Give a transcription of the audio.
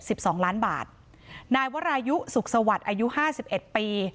สิบสองล้านบาทนายวรายุสุขสวัสดิ์อายุห้าสิบเอ็ดปี